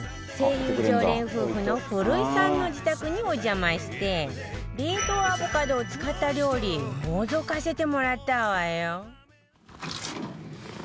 常連夫婦の古井さんの自宅にお邪魔して冷凍アボカドを使った料理のぞかせてもらったわよ！